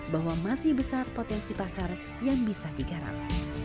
bahwa masih besar potensi pasar yang bisa digarap